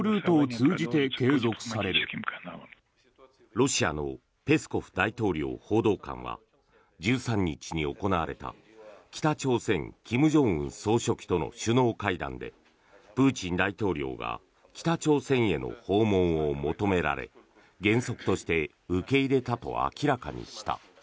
ロシアのペスコフ大統領報道官は１３日に行われた北朝鮮、金正恩総書記との首脳会談でプーチン大統領が北朝鮮への訪問を求められ原則として受け入れたと明らかにした。